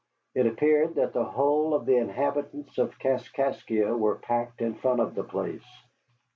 It appeared that the whole of the inhabitants of Kaskaskia were packed in front of the place.